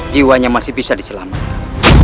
jiwanya masih bisa diselamatkan